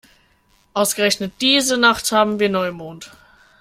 Ausgerechnet diese Nacht haben wir Neumond.